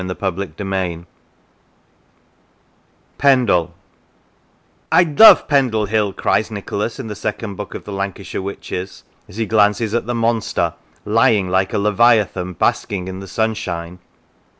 202 CHAPTER XIII PENDLE " I LOVE Pendle Hill," cries Nicholas, in the Second Book of the " Lancashire Witches," as he glances at the monster " lying like a leviathan basking in the sunshine."